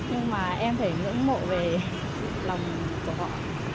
nhưng mà em phải ngưỡng mộ về lòng của họ